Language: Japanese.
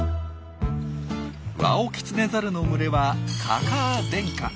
ワオキツネザルの群れはかかあ天下。